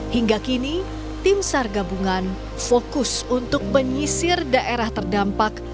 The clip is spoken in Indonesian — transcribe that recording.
hingga kini tim sar gabungan fokus untuk menyisir daerah terdampak